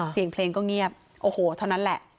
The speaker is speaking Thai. เสียงเพลงก็เงียบโอ้โหเท่านั้นแหละ